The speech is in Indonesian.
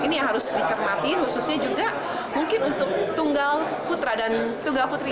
ini yang harus dicermati khususnya juga mungkin untuk tunggal putra dan tunggal putri